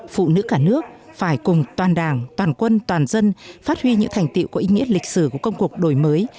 phụ nữ cả nước phải cùng toàn đảng toàn quân toàn dân phát huy những thành tiệu có ý nghĩa lịch sử của công cuộc đổi mới